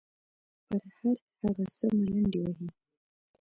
پر هر هغه څه ملنډې وهي.